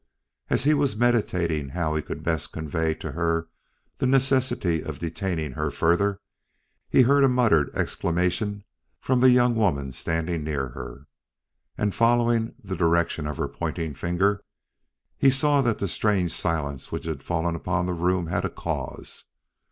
As he was meditating how he could best convey to her the necessity of detaining her further, he heard a muttered exclamation from the young woman standing near her, and following the direction of her pointing finger, saw that the strange silence which had fallen upon the room had a cause.